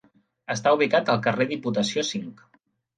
Està ubicat al carrer Diputació cinc.